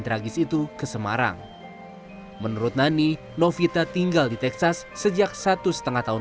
tragis itu ke semarang menurut nani novita tinggal di texas sejak satu setengah tahun